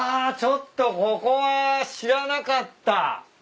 ちょっとここは知らなかった。